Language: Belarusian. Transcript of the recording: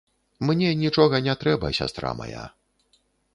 Мне нічога не трэба, сястра мая.